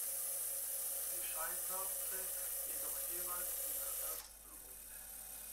Sie scheiterte jedoch jeweils in der ersten Runde.